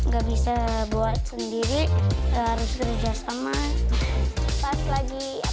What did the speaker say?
gak bisa buat sendiri harus kerjasama